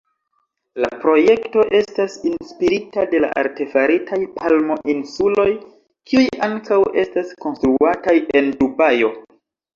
La projekto estas inspirita de la artefaritaj Palmo-insuloj, kiuj ankaŭ estas konstruataj en Dubajo.